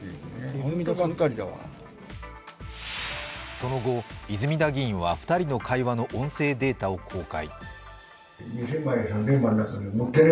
その後、泉田議員は２人の会話の音声データを公開。